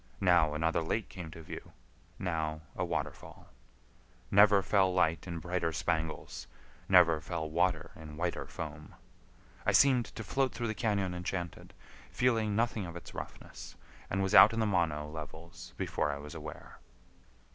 Now another lake came to view, now a waterfall. Never fell light in brighter spangles, never fell water in whiter foam. I seemed to float through the cañon enchanted, feeling nothing of its roughness, and was out in the Mono levels before I was aware.